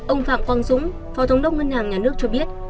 ông phạm quang dũng phó thống đốc ngân hàng nhà nước cho biết